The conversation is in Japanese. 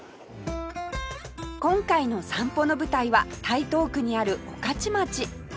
今回の散歩の舞台は台東区にある御徒町